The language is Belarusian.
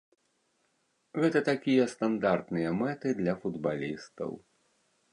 Гэта такія стандартныя мэты для футбалістаў.